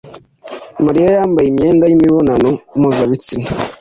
Mariya yambaye imyenda yimibonano mpuzabitsina.